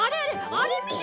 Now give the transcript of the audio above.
あれ見て！